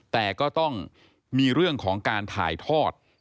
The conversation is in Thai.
แต่ก็ต้องมีเรื่องของการถ่ายทอด